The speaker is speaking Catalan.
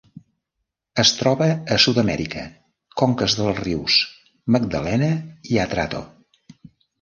Es troba a Sud-amèrica: conques dels rius Magdalena i Atrato.